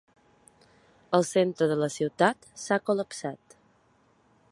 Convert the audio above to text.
El centre de la ciutat s’ha col·lapsat.